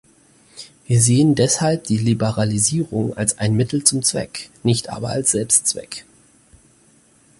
Wir sehen deshalb die Liberalisierung als ein Mittel zum Zweck, nicht aber als Selbstzweck.